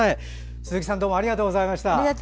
鈴木さんありがとうございました。